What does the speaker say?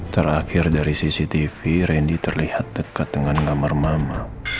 terakhir dari cctv randy terlihat dekat dengan kamar mama